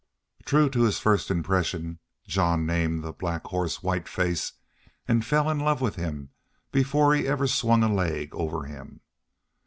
True to his first impression, Jean named the black horse Whiteface and fell in love with him before ever he swung a leg over him.